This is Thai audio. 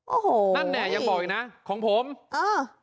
โอ้โหนั่นเนี่ยยังบอกอีกนะของผมเออ